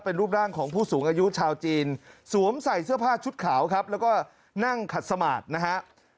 เป็นรูปร่างของผู้สูงอายุชาวจีนสวมใส่เสื้อผ้าชุดขาวครับแล้วก็นั่งขัดสมาธินะฮะ